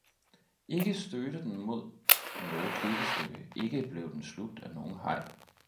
Ikke stødte den mod noget klippestykke, ikke blev den slugt af nogen haj